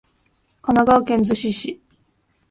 神奈川県逗子市